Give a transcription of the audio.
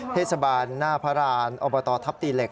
เทศบาลหน้าพระรานอบตทัพตีเหล็